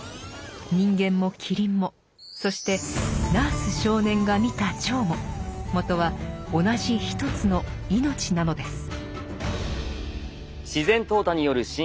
人間もキリンもそしてナース少年が見た蝶ももとは同じ一つの「命」なのです。